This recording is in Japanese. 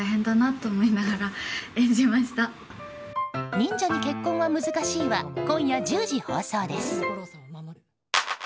「忍者に結婚は難しい」は今夜１０時放送です。